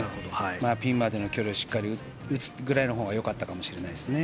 ピンまでの距離をしっかり打つくらいのほうが良かったかもしれないですね。